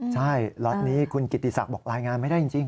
ใช่ล็อตนี้คุณกิติศักดิ์บอกรายงานไม่ได้จริง